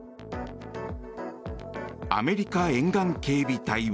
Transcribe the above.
アメリカ沿岸警備隊は。